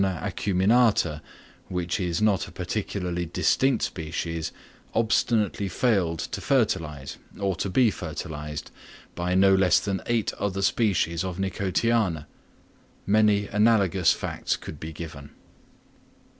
acuminata, which is not a particularly distinct species, obstinately failed to fertilise, or to be fertilised, by no less than eight other species of Nicotiana. Many analogous facts could be given.